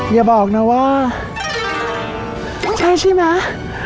อย่าบอกนะว่าใช่ใช่ไหม